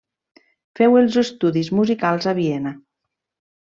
Feu els estudis musicals a Viena.